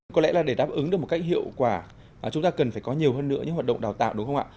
có lẽ là để đáp ứng được một cách hiệu quả chúng ta cần phải có nhiều hơn nữa những hoạt động đào tạo đúng không ạ